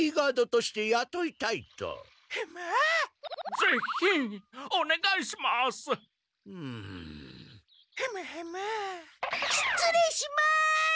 しっつれいします！